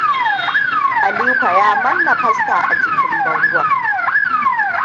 Aliko ya manna fasta a jikin bango.